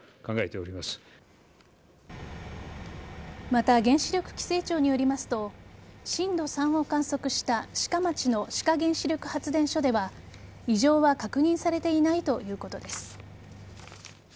また原子力規制庁によりますと震度３を観測した志賀町の志賀原子力発電所では異常は確認されていないということです。